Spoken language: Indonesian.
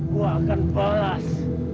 gue akan balas